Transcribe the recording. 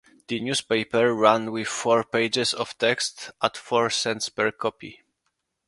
The newspaper ran with four pages of text at four cents per copy.